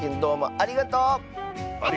ありがとう！